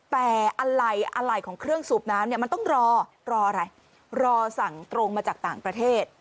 แต่อะไรอะไรของเครื่องสูบน้ำเนี่ยมันต้องรอรออะไรรอสั่งตรงมาจากต่างประเทศ